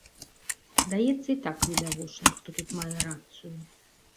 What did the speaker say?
Здаецца, і так відавочна, хто тут мае рацыю.